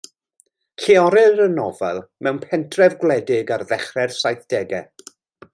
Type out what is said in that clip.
Lleolir y nofel mewn pentref gwledig ar ddechrau'r saithdegau.